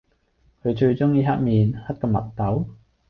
佢最鍾意黑面，黑過墨斗